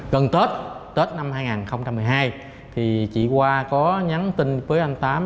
gần tết tết năm hai nghìn một mươi hai chị khoa có nhắn tin với anh tám